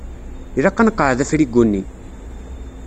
Ilaq ad nqeɛɛed afrigu-nni.